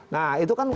nah itu kan